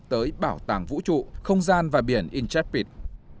tới bảo tàng vũ trụ không gian và biển entersprite